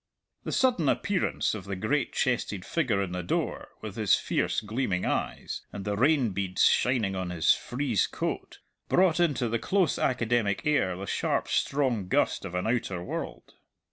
The sudden appearance of the great chested figure in the door, with his fierce, gleaming eyes, and the rain beads shining on his frieze coat, brought into the close academic air the sharp, strong gust of an outer world.